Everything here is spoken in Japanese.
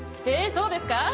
えそうですか？